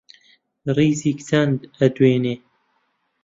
ڕیزی کچان ئەدوێنێ